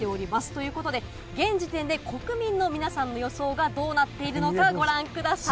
ということで、現時点で国民の皆さんの予想がどうなっているのか、ご覧ください。